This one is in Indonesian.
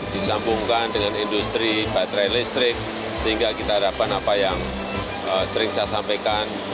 disambungkan dengan industri baterai listrik sehingga kita harapkan apa yang sering saya sampaikan